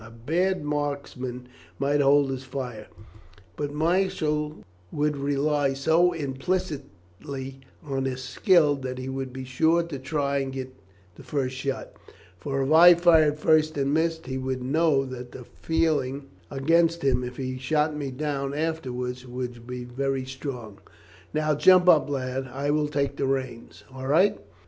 A bad marksman might hold his fire, but Marshall would rely so implicitly on his skill that he would be sure to try and get first shot; for if I fired first and missed, he would know that the feeling against him if he shot me down afterwards would be very strong." "Now jump up, lad; I will take the reins. All right."